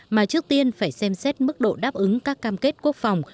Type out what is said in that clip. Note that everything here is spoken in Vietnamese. mà trước tiên phải xem xét mức độ đáp ứng các cam kết quốc phòng